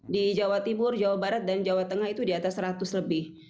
di jawa timur jawa barat dan jawa tengah itu di atas seratus lebih